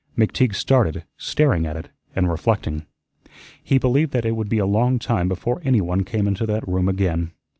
McTeague started, staring at it, and reflecting. He believed that it would be a long time before anyone came into that room again.